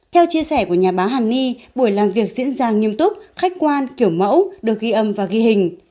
theo chia sẻ của nhà báo hàn ni buổi làm việc diễn ra nghiêm túc khách quan kiểu mẫu được ghi âm và ghi hình